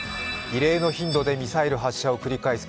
異例の頻度でミサイル発射を繰り返す